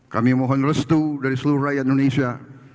kami mohon restu dari seluruh rakyat indonesia